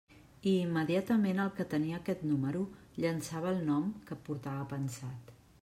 I immediatament el que tenia aquest número llançava el nom que portava pensat.